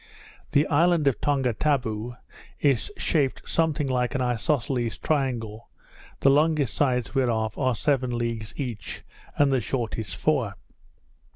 The island of Tongatabu is shaped something like an isosceles triangle, the longest sides whereof are seven leagues each, and the shortest four.